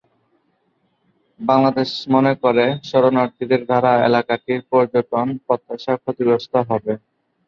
বাংলাদেশ মনে করে শরণার্থীদের দ্বারা এলাকাটির পর্যটন প্রত্যাশা ক্ষতিগ্রস্ত হবে।